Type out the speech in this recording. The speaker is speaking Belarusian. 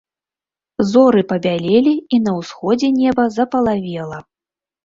Зоры пабялелі, і на ўсходзе неба запалавела.